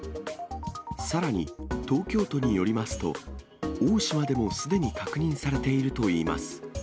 さらに、東京都によりますと、大島でもすでに確認されているといいます。